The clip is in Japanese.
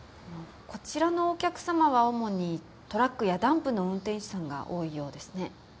こちらのお客様は主にトラックやダンプの運転手さんが多いようですね。